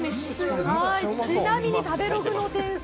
ちなみに食べログの点数